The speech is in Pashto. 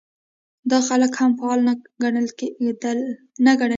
دا خلک هم فعال نه ګڼل کېږي.